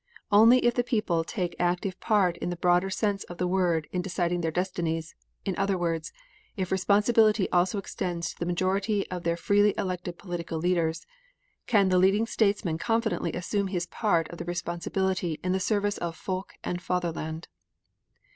Only if the people take active part in the broader sense of the word in deciding their destinies, in other words, if responsibility also extends to the majority of their freely elected political leaders, can the leading statesman confidently assume his part of the responsibility in the service of folk and Fatherland.